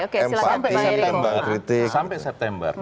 kembang kritik sampai september